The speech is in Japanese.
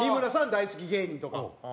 大好き芸人とか。